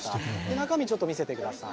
中身ちょっと見せてください。